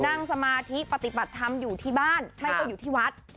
นั่งสมาธิปฏิบัติธรรมอยู่ที่บ้านไม่ก็อยู่ที่วัด